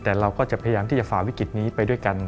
แต่เราก็จะพยายามที่จะฝ่าวิกฤตนี้ไปด้วยกัน